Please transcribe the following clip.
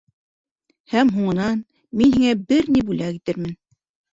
Һәм һуңынан, мин һиңә бер ни бүләк итермен...